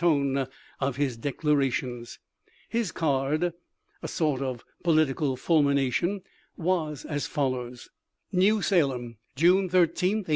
tone of his declarations. His card — a sort of politi cal fulmination — was as follows : "New Salem, June 13, 1836.